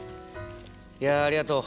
いやありがとう。